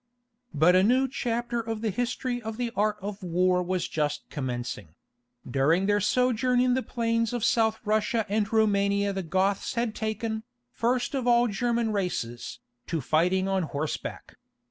But a new chapter of the history of the art of war was just commencing; during their sojourn in the plains of South Russia and Roumania the Goths had taken, first of all German races, to fighting on horseback.